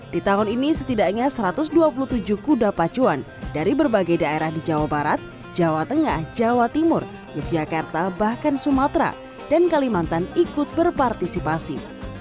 di tahun ini setidaknya satu ratus dua puluh tujuh kuda pacuan dari berbagai daerah di jawa barat jawa tengah jawa timur yogyakarta bahkan sumatera dan kalimantan ikut berpartisipasi